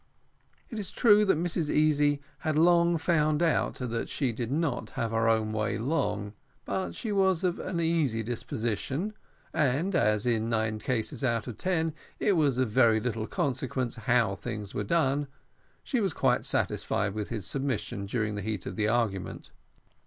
It is true that Mrs Easy had long found out that she did not have her own way long; but she was of an easy disposition, and as, in nine cases out of ten, it was of very little consequence how things were done, she was quite satisfied with his submission during the heat of the argument.